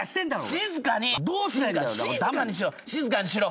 静かにしろ。